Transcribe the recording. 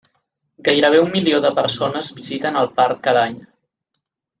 Gairebé un milió de persones visiten el parc cada any.